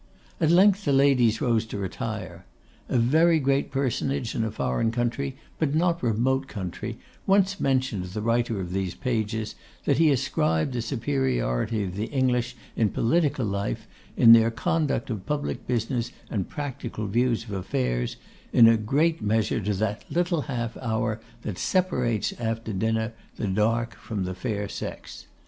At length the ladies rose to retire. A very great personage in a foreign, but not remote country, once mentioned to the writer of these pages, that he ascribed the superiority of the English in political life, in their conduct of public business and practical views of affairs, in a great measure to 'that little half hour' that separates, after dinner, the dark from the fair sex.